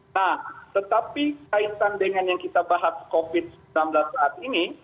nah tetapi kaitan dengan yang kita bahas covid sembilan belas saat ini